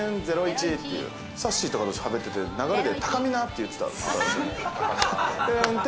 さっしーとかと喋ってて、流れで、たかみな！って言ってた。